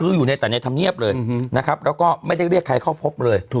คืออยู่ในแต่ในธรรมเนียบเลยนะครับแล้วก็ไม่ได้เรียกใครเข้าพบเลย